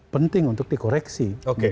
penting untuk dikoreksi